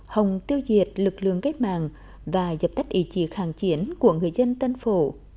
hồng tiêu diệt lực lượng kết mạng và dập tách ý chí kháng chiến của người dân tân phổ